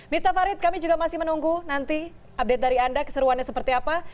miftah farid kami juga masih menunggu nanti update dari anda keseruannya seperti apa